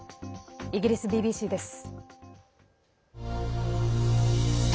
イギリスＢＢＣです。